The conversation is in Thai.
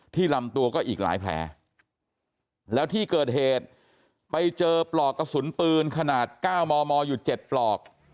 ลำตัวก็อีกหลายแผลแล้วที่เกิดเหตุไปเจอปลอกกระสุนปืนขนาด๙มมอยู่๗ปลอก